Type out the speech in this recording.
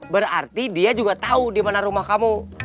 berarti dia juga tau dimana rumah kamu